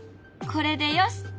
これでよし！